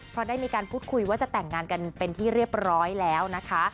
เพราะได้มีการพูดคุยว่าจะแต่งงานกันเป็นที่เรียบร้อยแล้วนะคะ